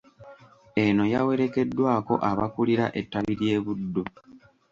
Eno yawerekeddwako abakulira ettabi ly'eBuddu.